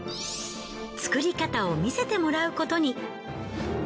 作り方を見せてもらうことに。